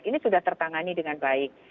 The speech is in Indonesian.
ini sudah tertangani dengan baik